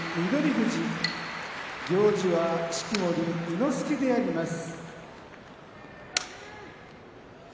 富士行司は式守伊之助であります。